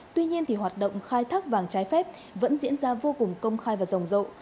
tuy nhiên thì hoạt động khai thác vàng trái phép vẫn diễn ra vô cùng công khai và rồng rộ